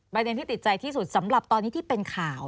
ประเด็นที่ติดใจที่สุดสำหรับตอนนี้ที่เป็นข่าว